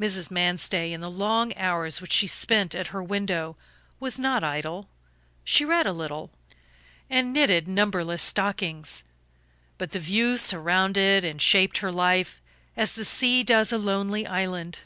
Mrs. Manstey, in the long hours which she spent at her window, was not idle. She read a little, and knitted numberless stockings; but the view surrounded and shaped her life as the sea does a lonely island.